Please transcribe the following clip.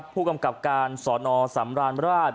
ผู้กำกับการสอนอสำราญราช